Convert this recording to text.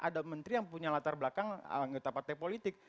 ada menteri yang punya latar belakang anggota partai politik